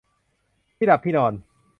ที่หลับที่นอน